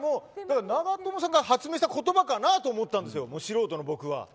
長友さんが発明した言葉かなと思ったんですが素人の僕は。